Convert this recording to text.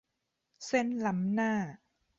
เส้นล้ำหน้า